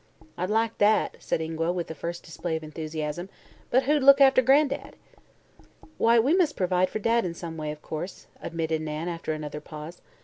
"I'd like that," said Ingua, with a first display of enthusiasm; "but who'd look after Gran'dad?" "Why, we must provide for Dad in some way, of course," admitted Nan after another pause.